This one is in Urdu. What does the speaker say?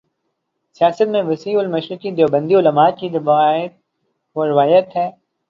سیاست میں وسیع المشربی دیوبندی علما کی وہ روایت ہے۔